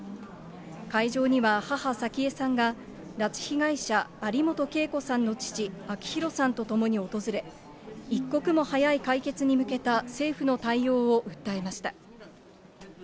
会場には母、早紀江さんが、拉致被害者、有本恵子さんの父、明弘さんと共に訪れ、一刻も早い解決に向けた政府の対応を訴えました。